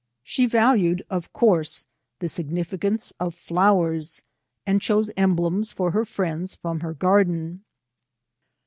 ^' She valued, of course, the significance of flowers, and chose emblems for her friends from her garden.